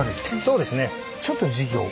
そうですね。